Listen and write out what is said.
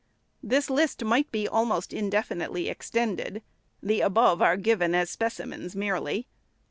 This list might be almost indefinitely extended ; the above are given as specimens merely.